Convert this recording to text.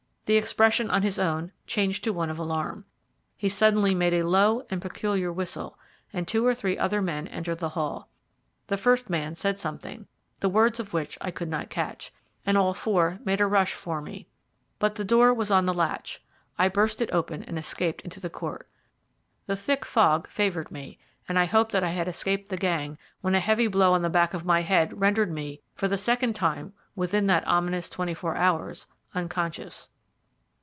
The expression on his own changed to one of alarm. He suddenly made a low and peculiar whistle, and two or three other men entered the hall. The first man said something, the words of which I could not catch, and all four made a rush for me. But the door was on the latch. I burst it open, and escaped into the court. The thick fog favoured me, and I hoped that I had escaped the gang, when a heavy blow on the back of my head rendered me, for the second time within that ominous twenty four hours, unconscious.